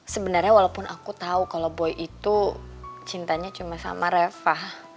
sebenarnya walaupun aku tahu kalau boy itu cintanya cuma sama reva